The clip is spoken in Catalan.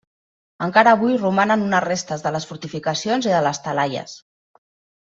Encara avui romanen unes restes de les fortificacions i de les talaies.